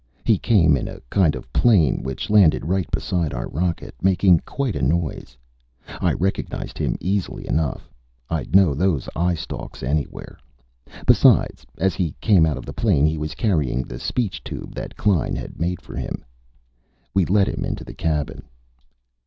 He came in a kind of plane, which landed right beside our rocket, making quite a noise. I recognized him easily enough; I'd know those eye stalks anywhere. Besides, as he came out of the plane, he was carrying the speech tube that Klein had made for him. We let him into the cabin.